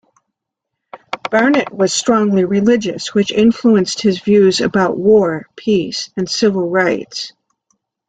Barnet was strongly religious, which influenced his views about war, peace and civil rights.